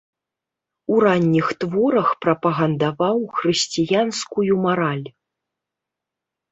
У ранніх творах прапагандаваў хрысціянскую мараль.